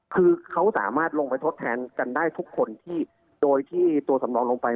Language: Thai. คือเขาสามารถลงไปทดแทนกันได้ทุกคนที่โดยที่ตัวสำรองลงไป